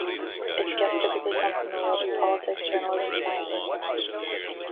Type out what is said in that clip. Its guests typically come from the worlds of politics, journalism, science and the arts.